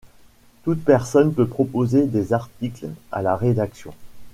Toute personne peut proposer des articles à la rédaction.